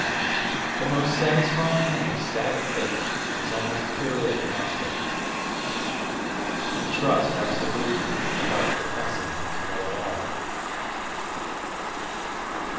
The most satisfying and ecstatic faith is almost purely agnostic. It trusts absolutely without professing to know at all.